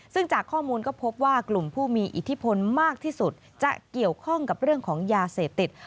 ซึ่งจากข้อมูลก็พบว่ากลุ่มผู้มีอิทธิพลมากที่สุดจะเกี่ยวข้องกับเรื่องของยาเสพติด